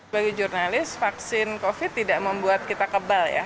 bagi jurnalis vaksin covid sembilan belas tidak membuat kita kebal